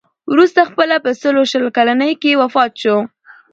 وروسته خپله په سلو شل کلنۍ کې وفات شو.